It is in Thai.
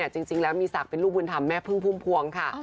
จริงแล้วมีศักดิ์เป็นลูกบุญธรรมแม่พึ่งพุ่มพวงค่ะ